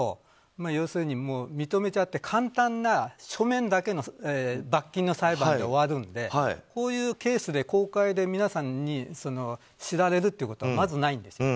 要するに認めちゃって、簡単な書面だけの罰金の裁判で終わるのでこういうケースで公開で皆さんに知られるということはまず、ないんですよ。